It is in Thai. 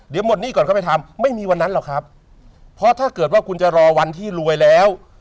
เดี๋ยวหมดหนี้ก่อนเข้าไปทำไม่มีวันนั้นหรอกครับเพราะถ้าเกิดว่าคุณจะรอวันที่รวยแล้ว